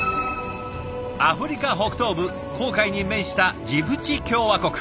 アフリカ北東部紅海に面したジブチ共和国。